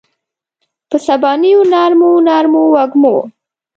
په سبانیو نرمو، نرمو وږمو